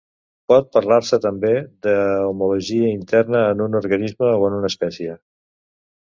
Pot parlar-se també d'homologia interna en un organisme o en una espècie.